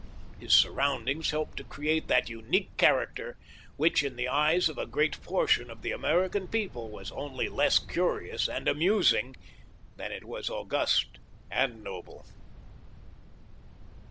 His surroundings helped to create that unique character which in the eyes of a great portion of the American people was only less curious and amusing than it was august and noble.